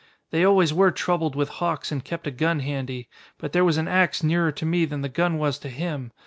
They always were troubled with hawks and kept a gun handy. But there was an ax nearer to me than the gun was to him.